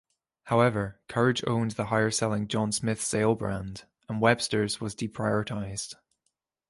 However Courage owned the higher selling John Smith's ale brand, and Webster's was deprioritised.